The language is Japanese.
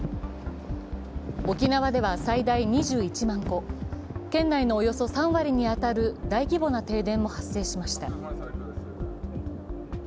沖縄では最大２１万戸、県内のおよそ３割に当たる大規模な停電も発生しました。